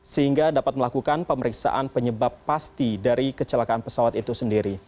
sehingga dapat melakukan pemeriksaan penyebab pasti dari kecelakaan pesawat itu sendiri